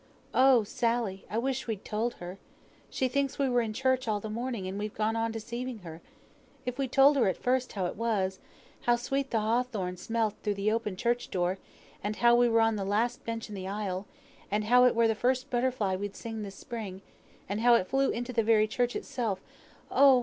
"Oh, Sally! I wish we'd told her. She thinks we were in church all morning, and we've gone on deceiving her. If we'd told her at first how it was how sweet th' hawthorn smelt through the open church door, and how we were on th' last bench in the aisle, and how it were the first butterfly we'd seen this spring, and how it flew into th' very church itself; oh!